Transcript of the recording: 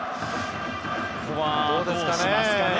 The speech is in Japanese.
ここは、どうしますかね。